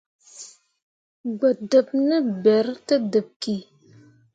Gbǝ dǝb ne ɓerri te dǝɓ ki.